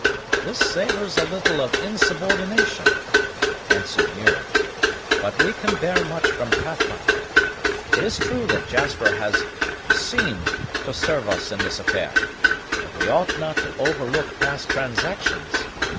"This savors a little of insubordination," answered Muir; "but we can bear much from Pathfinder. It is true this Jasper has seemed to serve us in this affair, but we ought not to overlook past transactions.